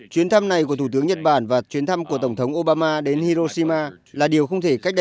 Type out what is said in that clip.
chuyến thăm này của thủ tướng nhật bản và chuyến thăm của tổng thống obama đến hiroshima là điều không thể cách đây